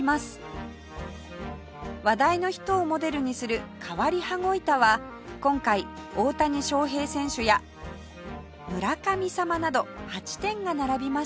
話題の人をモデルにする変わり羽子板は今回大谷翔平選手や村上様など８点が並びました